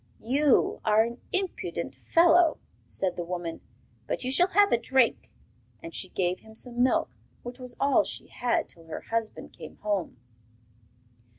'You are an impudent fellow,' said the woman; 'but you shall have a drink.' And she gave him some milk, which was all she had till her husband came home.